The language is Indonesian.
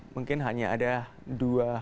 mungkin hanya ada dua